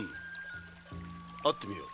会ってみよう。